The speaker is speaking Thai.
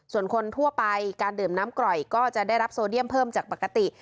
ส่วนคนทั่วไปการดื่มน้ำกร่อยก็จะได้รับโซเดียมเพิ่มจากปกติ